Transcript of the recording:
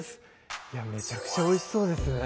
めちゃくちゃおいしそうですね